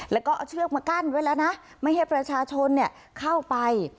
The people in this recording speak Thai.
แล้วก็เอาเชือกมากั้นไว้แล้วนะไม่ให้ประชาชนเข้าไป